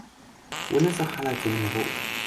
Winners are highlighted in bold.